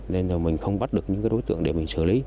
nên là mình không bắt được những đối tượng để mình xử lý